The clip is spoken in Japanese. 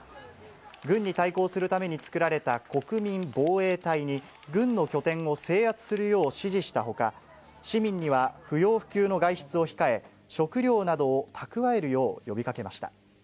軍に対抗するために作られた国民防衛隊に、軍の拠点を制圧するよう指示したほか、市民には不要不急の外出を控え、食料などを蓄えるよう呼びかけました。